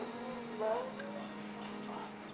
dina gak tau